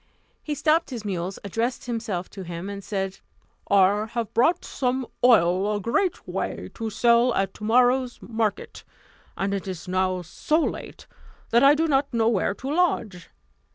He stopped his mules, addressed himself to him, and said, "I have brought some oil a great way, to sell at tomorrow's market; and it is now so late that I do not know where to lodge.